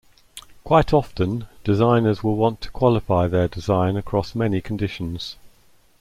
Quite often, designers will want to qualify their design across many conditions.